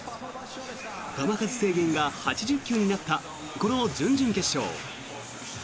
球数制限が８０球になったこの準々決勝。